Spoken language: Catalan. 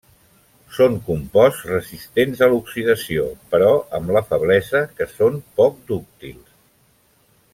Són composts resistents a l'oxidació, però amb la feblesa que són poc dúctils.